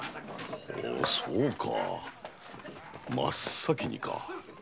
ほうそうか真っ先にか。